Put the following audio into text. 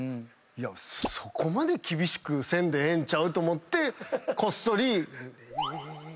そこまで厳しくせんでええんちゃう？と思ってこっそり。